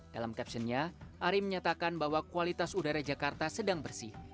dalam captionnya ari menyatakan bahwa kualitas udara jakarta sedang bersih